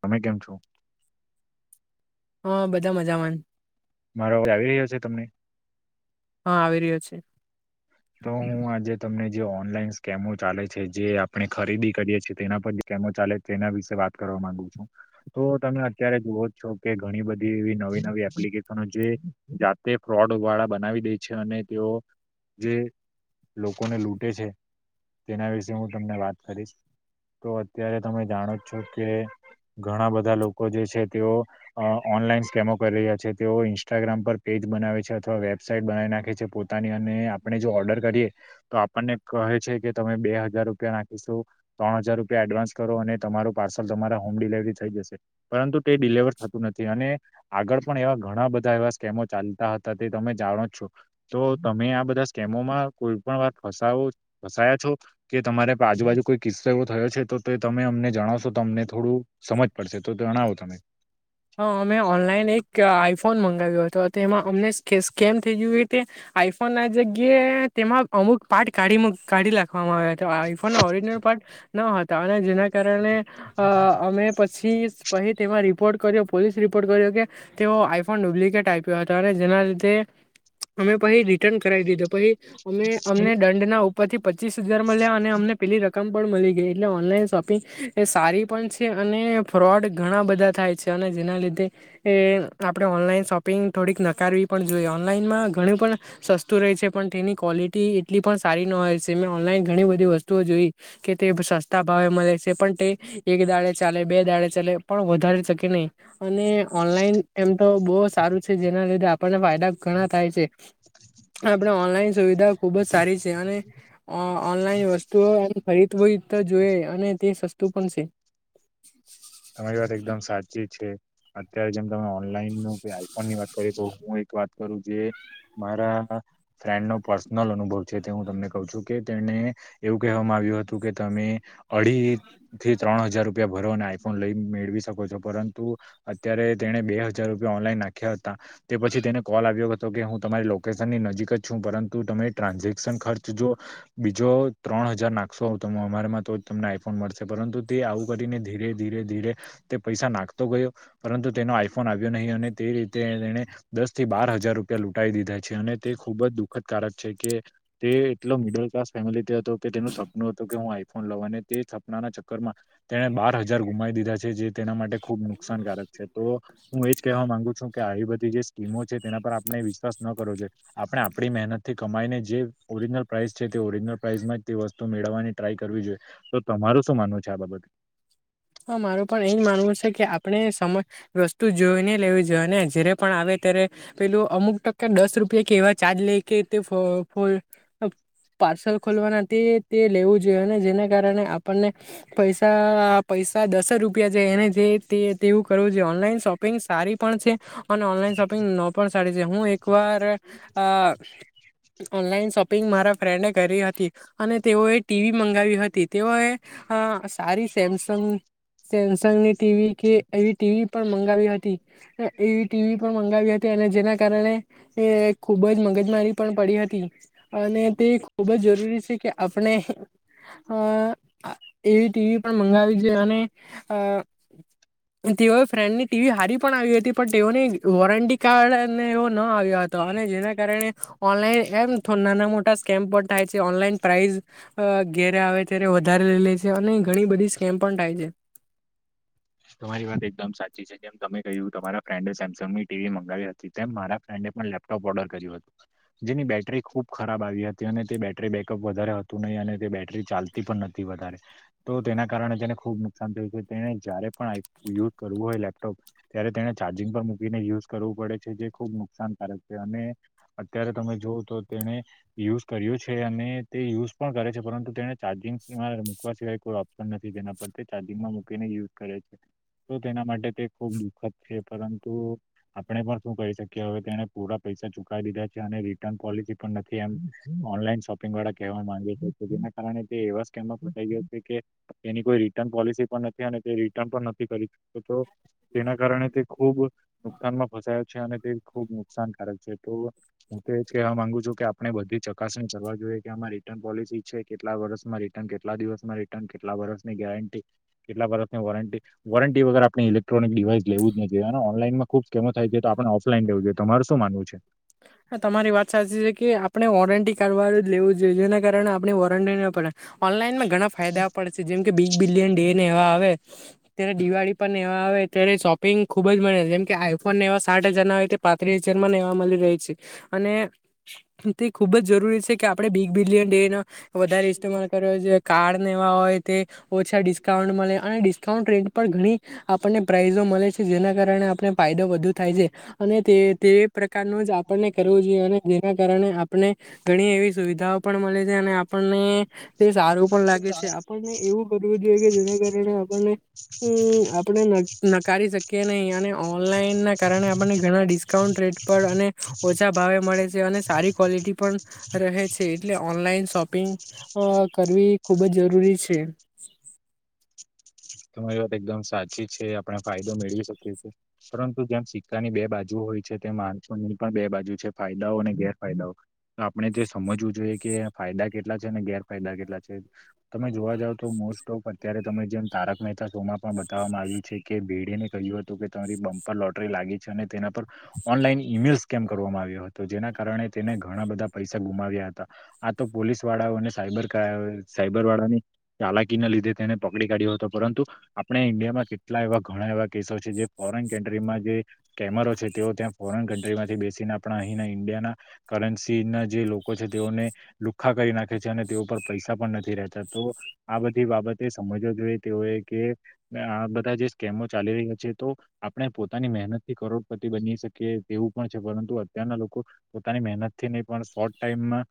તમે કેમ છો? હા બધા મજામાં જ મારો અવાજ આવી રહ્યો છે તમને? હા આવી રહ્યો છે. તો હું આજે તમને જે ઓનલાઈન સ્કેમો ચાલે છે જે આપણે ખરીદી કરીએ છે, તેના પર જે સ્કેમો ચાલે છે, તેના વિશે વાત કર કરવા માગું છું. તો તમે અત્યારે જુવો જ છો, કે ઘણી બધી એવી નવી નવી એપ્લિકેશનો જે જાતે, ફ્રોડવાળા બનાવી દે છે. અને તેઓ જે લોકોને લૂંટે છે. તેના વિશે હું તમને વાત કરીશ તો અત્યારે તમે જાણો જ છો, કે ઘણા બધા લોકો જે છે, તેઓ અ ઓનલાઈન સ્કેમો કરી રહ્યા છે. તેઓ ઇન્સ્ટાગ્રામ પર પે જ બનાવે છે, અથવા વેબસાઇટ બનાવી નાખે છે પોતાની અને આપ આપણે જો ઓર્ડર કરીએ તો આપણને કહે છે, કે તમે બે હજાર રૂપિયા નાખીશું, ત્રણ હજાર રૂપિયા એડવાન્સ કરો અને તમારું પાર્સલ તમારા હોમ, ડિલિવરી થઈ, જશે. પરંતુ તે ડિલવર થતું નથી અને આગળ પણ એવા ઘણા બધા એવા સ્કેમો ચાલતા હતા. તે તમે જાણો છો તો તમે આ બધા કેમોમાં કોઈ પણ વાર ફસાવો ફસાયા છો, કે તમારે આજુબાજુ કોઈ કિસ્સો એવો થયો છે, તો તો, તે તમે અમને જણાવશો તો અમને થોડું સમજ પડશે, તો જણાવો તમે હ, અમે ઓનલાઈન એક આઈફોન મંગાવ્યો હતો. તેમાં અમને સ્કે સ્કેમ થઈ ગયુ એ તે આઈફોનના જગ્યાએ તેમાં અમુક પાર્ટ કાઢી મુક કાઢી લાખવામાં આવ્યા, તા. આઈફોન ઓરીજનલ પાર્ટ ટ ન હતા, અને જેના કારણે અ અમે પછી પહી તેમાં રિપોર્ટ કર્યો, પોલીસ રિપોર્ટ કર્યો કે તેઓ આઈફોન ડુપ્લિકેટ આપ્યો હતો. અને જેના લીધે અમે પહી રિટર્ન કરાઈ દીધું, પહી અમે અમને દડના ઉપરથી પચીસ હજાર મલ્યા અને અમને પેલી રક રક્મ પણ મલી ગઈ. એટલે ઓનલાઈન શોપિંગ એ સારી પણ છે, અને ફ્રોડ ઘણા બધા થાય છે. અને જેના લીધે એ આપણે ઓનલાઈન શોપિંગ થોડીક નકારવી પણ જોઈએ, ઓનલાઈનમાં ઘણું પણ પણ સસ્તું રહે છે. પણ તેની ક્વોલિટી એટલી પણ સારી ન હોય છે. મેં ઓનલાઈન ઘણી બધી વસ્તુઓ જોઈ કે તે સસ્તા ભાવે મળે છે. પણ તે એક દાડે ચાલે બે દાળે ચાલે પણ વધારે ઓનલાઇન એ તો બહુ સારુ છે, જેના લીધે આપણને ફાયદા ઘણા થાય છે. આપણે ઓનલાઈન સુવિધા ખુબ જ સારી છે, અને અ ઓનલાઈન વસ્તુઓ એમ ફરીદ હોય તો જોઈ, અને તે સસ્તું પણ છે. તમારી વાત એકદમ સાચી છે અત્યારે, જેમ તમે ઓનલાઈન કે આઈફોન ની વાત કરી તો હુ, એક વાત કરું જે મારા ફ્રેન્ડ નો પર્સનલ અનુભવ છે, તે હું તમને કઉ છુ, કે તેને એવું કહે મા ત અીથી, ત્રણ હજાર રૂ ભ ફન લઈ મેળવી શકો છો, પરંતુ અત્યારે તેને બે હજાર રૂપિયા ઓનલાઈન નાખ્યા હતા તે પછી તેને કોલ આવ્યો હતો કે હુ, તમારી લોકેશન ની નજીક જ છુ, પરતુ તમે ટ્રાન્ઝેક્શન ખર્ચ જો બીજો, ત્રણ હજાર નાખશો આવ ત અમારામાં તો જ તમને આઈફોન મળશે પરંતુ તે આવું કરીને ધીરે ધીરે, ધીરે તે પૈસા નાખતો ગયો પરંતુ તેનો આઈફોન આવ્યો નહી, અને તે રીતે તેને દસથી, બાર હજાર રૂપિયા લૂટ દીધા છે, અને તે ખુબજ દુઃખદ કારક છે, કે તે એટલો મિડલ ક્લાસ ફેમિલી હતો, કે તેનુ સપનું હતુ, કે હુ, આઈફોન લવા અને તે સપનાના ચક્કર માં તેને બાર હજ હજાર, ગુમાઈ દીધા છે. જે તેના માટે ખુબ નુકસાનકારક છે, તો હું એજ કહેવા માંગુ છુ, કે આવી બધી જે સ્કીમો છે તેના પર આપણે વિશ્વાસ જોએ, આપણે આપણી મહેનત થી, કમાઈને જે ઓરિજિનલ પ્રાઇસ છે, તે ઓરિજિનલ પ્રાઇસમાં જ, તે વસ્તુ મેળવવાની ટ્રાય કરવી જોઈએ તો તમારું શું માનવું છે. બાબત હા, મારુ પણ એજ માનવું છે, કે આપણે સમતુ જોઈ, ને લેવ જો ને જયારે પણ આવે ત્યારે પેલું અમુક ટકા દસ રૂપિયા કે એવા ચાર્જ લઈ કે તે ફ ફ પાર્સલ, ખોલવાના તે તે લેવું જોઈએ અને જેના, કારણે આપણને પૈસા પૈસા દસ રૂપિયા છે, એને જે તે તેવુ કરવુ જો ઓનલાઈન શોપિંગ સારી પણ છે. અને ઓનલાઈન, શોપિંગ ન પણ સારી છે, હુ એક એક વાર ઓનલાઈન, શોપિંગ મારા ફ્રેન્ડ કરી હતી. અને તેઓએ, ટીવી મંગાવી હતી તેઓએ સારી સેમસ સ સેમસંગની ટીવી, કે એવી ટીવી પણ મંગાવી હતી એવી ટીવી પણ મંગાવી હતી, અને જેના કારણે એ ખુબજ મગજમારી, પણ પડી હતી. અને તે ખૂબ જ જરૂરી છે કે આપણે અ એવી ટીવી પણ મંગાવી છે અને અ તેઓએ ફ્રેન્ડની ટીવી હારી પણ આવી હતી પણ તેઓની વોરંટી કાર્ડને એ ન આવ્યા હતા. અને જેના કારણે ઓનલાઈન એમ નાના મોટા સ્કેમ પણ થાય છે ઓનલાઈન પ્રાઇસ અ ઘેરે આવે વધારે લઈ લે છે અને ઘણી બધી સ્કેમ પણ થાય છે. તમારી વાત એકદમ સાચી છે જેમ તમે કહ્યું તમારા ફ્રેન્ડે સેમસંગ ની ટીવી મંગાવી હતી તેમ મારા ફ્રેન્ડ લેપટોપ ઓર્ડર કર્યું હતું જેની બેટરી ખુબ ખરાબ આવી હતી અને તે બેટરી બેકઅપ વધારે હતું. અને તે બેટરી ચાલતી પણ નથી વધારે તો તેના કારણે તેને ખુબ નુકસાન થયું છે તેને જ્યારે યુઝ કરવું હોય લેપટોપ ત્યારે તેને ચાર્જિંગ પર મૂકીને યુઝ કરવું પડે છે જે ખુબ નુકસાન કારક છે અને અત્યારે તમે જોવ તો તેને યુઝ કર્યો છે અને તે યુઝ પણ કરે છે પરંતુ તેને ચાર્જિંગ મૂકવા સિવાય કોઈ ઓપ્શન નથી તેના પર તે ચાર્જિંગમાં મૂકીને યુઝ કરે છે. તો તેના માટે તે ખુબ દુઃખદ છે પરંતુ આપણે પણ શું કહી શકીએ હવે તેને પૂરા પૈસા ચુકાવી દીધા અને રટર્ન પોલિસી પણ નથી એમ ઓનલાન શોપિંગ વાળા કેવા માંગે કાર તે એવા સ્કેમાં ફસાઈ ગયા છે કે એની કોઈ રિટર્ન પોલિસી પણ નથી અને તે રિટર્ન પણ નથી કરી શકતો તેના કારણે તે ખૂબ નુકસાનમાં ફસાયો છે. અને તે ખૂબ નુકસાનકારક છે તો હું તો એજ કવા માંગુ છું કે આપણે બધી ચકાસણી કરવા જોઈએ કે આમાં રિટર્ન પોલિસી છે કેટલા વર્ષમાં રિટર્ન કેટલા દિવસમાં રિટર્ન કેટલા વર્ષની ગેરંટી કેટલા વર્ષ વોરંટી વોરંટી વગર આપણે ઇક્ટ્રોનિક ડિવાઈ લેવું જ ન જોઈએ અને ઓનલાઈનમાં ખુબ કેમો થાય છે તો આપણે ઓફઈન તમારે શું માનવું છે. તમારી વાત સાચી છે કે આપણે વોરંટી લેવું જોઈએ જેના કારણે આપણે વોરંટી ના પડે ઓનલાઈનમાં ઘણા ફાયદા પડે છે જેમ કે બીગ બિલિયન ડે ને એવા આવે ત્યારે દિવાળી પર એવા આવે ત્યારે શોપિંગ ખુબ જ મળે છે જેમ કે આઈફોન ને એવા સાઠ હજાર ના આવે તે પાંત્રીસ હજાર મળી જાય છે અને તે ખૂબ જ જરૂરી છે કે આપણે બિગ બિલિયન ડે ન વધારે ઇસ્માલ કરવો જોઈએ કાર્ડ એવા હોય તે ઓછા ડિસ્કાઉન્ટ મળે અને ડિકાઉ ર્રેડ પણ ઘણી આપણને પ્રાાઈઝો મળે છે જેના કારણે આપણે ફાયદો વધુ થાય છે. અને તે તે પ્રકારનું જ આપણને કરવું જોઈએ અને જેના કારણે આપણે ઘણી એવી સુવિધાઓ પણ મળે છે અને આપણને તે સારું પણ લાગે છે આપણને એવું કરવું જોઈએ કે જેના કારણે આપણને હમ આપણે નકારી શકીએ નહી અને ઓનલાઈન ના કારણે આપને ઘણા ડિસ્કાઉન્ટ [unintelligible] ઓછા ભાવે મળે છે અને સારી ક્લિટી પણ રહે છે. એટલે ઓનલાઈન શોપિંગ કરવી ખૂબ જ જરૂરી છે. [inaudible] તમારી વાત એકદમ સાચી છે આપણે ફાયદો મેળવી શકીએ છીએ પરંતુ જેમ સિક્કાની બે બાજુ હોય હોય છે તે માણસોની પણ બે બાજુ છે ફાયદાઓ અને ગેરફાયદાઓ આપણે જે સમજવું જોઈએ કે ફાયદા કેટલા છે અને ગેરફાયદા કેટલા છે તમે જોવા જાવ તો મોસ્ટ ઓફ અત્યારે તમે જેમ તારક મહેતા સોમાં પણ બતાવવામાં આવ્યું છે કે ભેડેને કહ્યું હતું કે તમારી બમ્પ પર લોટરી લાગી છે અને તેના પર ઓનલાઈન ઈમેલ સ્કેમ કરવામાં આવ્યો હતો જેના કારણે તેને ઘણા બધા પૈસા ગુમાવ્યા હતા તો પોલીસ વાળાઓને સાયબર સાયબર વાળાની ચાલાકીના લીધે તેને પકડી કાઢ્યો હતો પરંતુ આપણે ઇન્ડિયામાં કેટલા એવા ઘણા એવા કેસો છે જે ફોરેન કન્ટ્રીમાં જે કેમેરો છે. તેઓ ત્યાં ફોરેન કન્ટ્રીમાંથી બેસીને આપણા અહીંના ઈન્ડિયાના કરન્સીના જે લોકો છે તેઓને લુખખા કરી નાખે છે અને તેઓ પર પૈસા પણ નથી રહેતા તો આ બધી બાબતે સમજવા જોઈએ તેઓ કે આ બધા જે સ્કેમો ચાલી રહ્યા છે તો આપણે પોતાની મહેનત થી કરોડપતિ બની શકે તેવું પણ છે પરંતુ અત્યારના લોકો પોતાની મહેનતથી નહી પણ શોર્ટ ટાઈમમાં.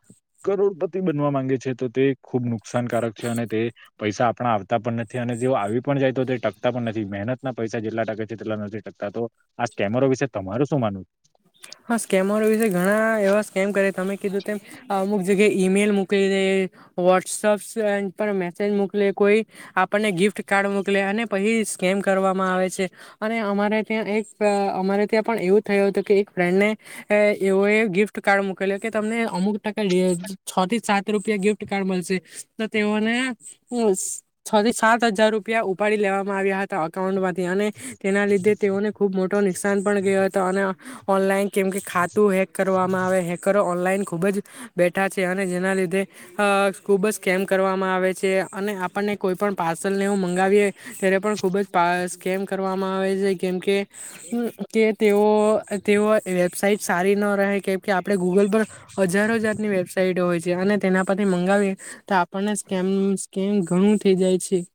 કરોડપતિ બનવા માંગે છે તો તે ખૂબ નુકસાનકારક છે અને તે પૈસા આપણા આવતા પણ નથી અને તેઓ આવી પણ જાય તો તે ટકતા પણ નથી મહેનતના પૈસા જેટલા ટકે છે તેટલા નથી ટકતા તો આ સ્કેમરો વિશે તમારું શું માનવું છે. હા સ્કેમરો વિશે ઘણા એવા સ્કેમ કરે તમે કીધું તેમ અમુક ્યા ઈમેલ મોકલી દે વોટ્સઅપ મેસેજ મોકલીે કોઈ આપણને ગફ ગિફ્ટ કાર્ડ મોકલે અને પછી સ્કેમ કરવામાં આવે છે અને અમારે ત્યાં એક અ અમારે ત્યાં પણ એવું થયું હતું કે એક ફ્રેન્ડને એવએ ગિફ્ટ કાર્ડ મક ક કે તમને અમુક ટકા છ થી સાત રૂપિયા ગિફ્ટ કાર્ડ મળશે તો તેઓને છ થી સાત હજાર રૂપિયા ઉપાડી લેવામાં આવ્યા હતા અકાઉન્ટમાંથી્યા તેના લીધે તેઓને ખુબ મોટો નુકસાન પણ ગયો હતો અને ઓનલાઈન કેમ કે ખાતું હેક કરવામાં આવે હેકરો ઓનલાઈન ખૂબ જ બેઠા છે અને જેના લીધે ખૂબ જ કેમ કરવામાં આવે છે અને આપણને કોઈ પણ પાર્સલ ને હું મંગાવીએ ત્યારે પણ ખૂબ જ સ્કેમ કરવામાં આવે છે કેમ કે કે તેઓ તેઓ વેબસાઇટ સારી ન રહે કેમ કે આપણે ગૂગલ પર હજારો હજતની વેબસાઈટ હોય છે અને તેના પરથી મંગાવીએ તો આપણને સ્કેમ સ્કેમ ઘણું થ જાય છે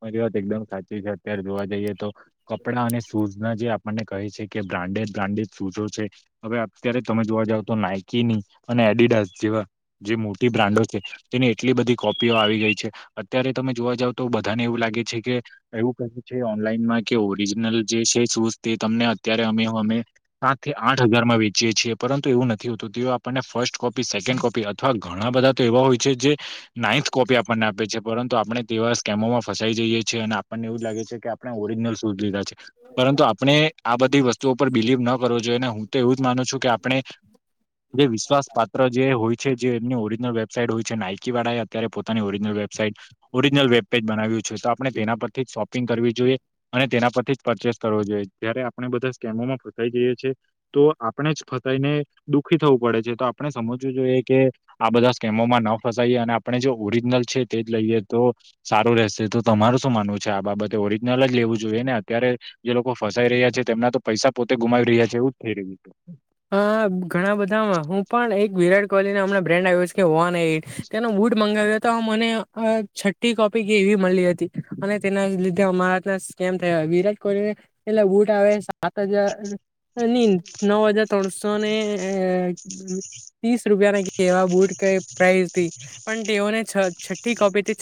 મારી વાત એકદમ સાચી છે અત્યારે જોવા જઈએ તો કપડાં અને શૂઝ ના જે મને કહે છે કે બ્રાન્ડેડ બ્રાન્ડેડ શૂઝો છે હવે અત્યારે તમે જોવા જાવ તો નાઈકી ની અને જે મોટી બ્રાન્ડ છે તેની એટલી બધી કોપીઓ આવી ગઈ છે અત્યારે તમે જો વા જાવ તો બ બધાને એવું લાગે છે કે એવું કહ્યું છે ઓનલાઈનમાં કે ઓરિજનલ જે છે શૂઝ તે તમને અત્યારે અમે અમે સાત થી આઠ હજાર માં વેચીએ છીએ, પરંતુ એવું નથી હોતું, તે આપને ફર્સ્ટ કોપી સેકન્ડ. કોપી અથવા ઘણા બધા તો એવા હોય છે, જે નાન્થ કોપી આપણને આપે છે, પરંતુ આપણે તેવા કે મોમાં ફસાઈ જઈએ છીએ, અને આપણનેવ જ લાગે છે, કે આપણે ઓરિજિનલ શૂઝ લીધા છે. પરંતુ આપણે આ બધી વસ્તુઓ પર. બિલીવ ન કરવો જોઈએ, ને હું તો એવું જ માનું છું, કે આપણે જે વિશ્વાસ પાત્ર જે હોય છે, જે એમની ઓરિજનલ વેબસાાઈટ હોય છે, નાયકી વાળા એ અત્યારે પોતાની original website original website. Page બનાવ્યું છે, તો આપણે તેના પરથી જ શોપિંગ કરવી જોઈએ, અને તેના પરથી જ પરચેસ કરવો જોઈએ, જ્યારે આપણે બધા સ્કેમોમાં ફસાઈ જઈએ છીએ, તો આપણે જ ફસાઈને દુઃખી થવું પડે છે, તો આપણે સમજું જોએ કે આ બધા સ્કેમોમાં ન ફસાઈએ અને આપણે જે ઓરિજિનલ છે, તે જ લઈએ તો સારું રહેશે તો તમારું શું માનવું છે, આ બાબતે ઓરિજનલ જ લેવું જોઈએ, ને અત્યારે જે લોકો ફસાઈ રહ્યા છે. તેમના તો પૈસા પોતે ગુમાવી રહ્યા છે, એવું જ થઈ રહ્યું છે. હ ઘણા બધામાં હું પણ એક વિરાટ કોહલીને હમણા બ્રેન્ડ આવ્યો કે ઓ તેનો વુડ મંગાવ્યા. તો મને છઠ્ઠી કોપી કે એવી મળી હતી, અને તેના લીધે અમારા તું સ્કેમ થયા હતા. વિરાટ કોહલી પટલા ઉપર આવે સાત હજાર નીંદ નવ હજાર ત્રણસોને આ ત્રીસ રૂપિયા ના એવા બુટ કહે પ્રાઇસ થી પણ તેઓને છ છઠ્ઠી કોપીથી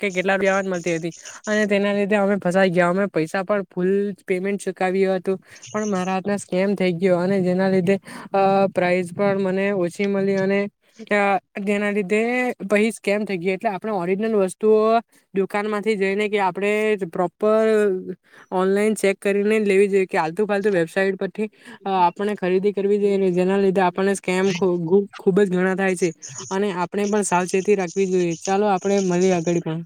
છે. કેટલા બેવાર આવાજ મળતી હતી, અને તેના લીધે અમે ફસાઈ ગયા, અમે પૈસા પણ ફૂલ પેમેન્ટ ચુકાવ્યું હતું, પણ મારા સ્કેમથી. થઈ ગયો, અને જેના લીધે પ્રાઇઝ પણ મને ઓછી મળી અને તેના લીધે પરિસ કેમ થઈ ગયો એટલે આપણે ઓરિજિનલ વસ્તુઓ દુકાન માંથી જઈને કે આપણે. ઓનલાઇન ચેક કરી લેવી જોઈએ, આલતુફાલતુ વેબસાઇટ પરથી આપ. આપને ખરીદી કરવી જોઈએ, જેના લીધે આપણને સ્કેમ ખૂબ જ ઘણા થાય છે, અને આપણે પણ સાવચેતી રાખવી. જોઈએ ચાલો આપડે મળીએ. ધડીકવાર